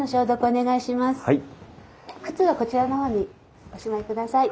靴はこちらの方におしまいください。